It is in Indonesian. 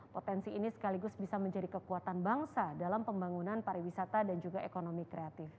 potensi ini sekaligus bisa menjadi kekuatan bangsa dalam pembangunan pariwisata dan juga ekonomi kreatif